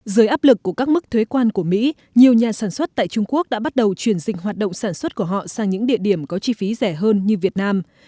dưới áp lực của các mức thuế quan của mỹ nhiều nhà sản xuất tại trung quốc đã bắt đầu chuyển dịch hoạt động sản xuất của họ sang những địa điểm có chi phí rẻ hơn như việt nam